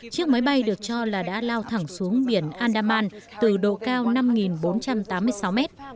chiếc máy bay được cho là đã lao thẳng xuống biển andaman từ độ cao năm bốn trăm tám mươi sáu mét